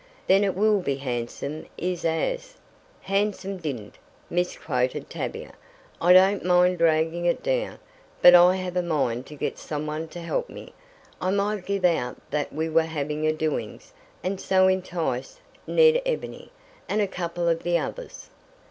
"Then it will be handsome is as " "Handsome didn't," misquoted Tavia. "I don't mind dragging it down, but I have a mind to get some one to help me. I might give out that we were having a 'doings' and so entice Ned Ebony, and a couple of the others."